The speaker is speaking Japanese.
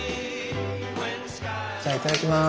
じゃあいただきます。